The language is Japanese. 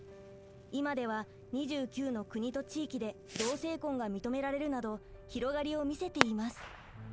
今では２９の国と地域で同性婚が認められるなど広がりを見せています。